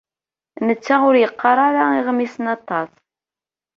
Netta ur yeqqar ara iɣmisen aṭas.